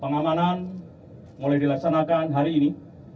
pengamanan mulai dilaksanakan hari ini